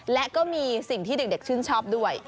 และก็มีสิ่งที่เด็กชื่นชอบด้วย